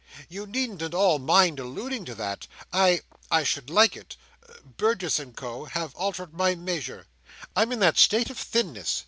You needn't at all mind alluding to that. I—I should like it. Burgess and Co. have altered my measure, I'm in that state of thinness.